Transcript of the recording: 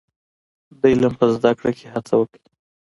د علم په زده کړه کي هڅه وکړئ.